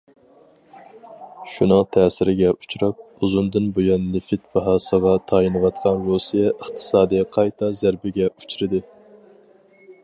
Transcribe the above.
شۇنىڭ تەسىرىگە ئۇچراپ، ئۇزۇندىن بۇيان نېفىت باھاسىغا تايىنىۋاتقان رۇسىيە ئىقتىسادى قايتا زەربىگە ئۇچرىدى.